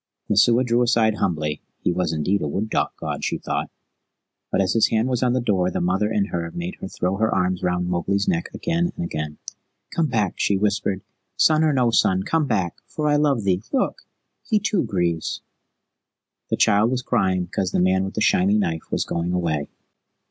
Messua drew aside humbly he was indeed a wood god, she thought; but as his hand was on the door the mother in her made her throw her arms round Mowgli's neck again and again. "Come back!" she whispered. "Son or no son, come back, for I love thee Look, he too grieves." The child was crying because the man with the shiny knife was going away.